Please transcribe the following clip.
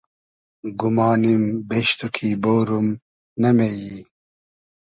گومانیم بیش تو کی بۉروم ، نۂ مې یی